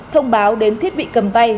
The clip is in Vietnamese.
thông báo đến thiết bị cầm tay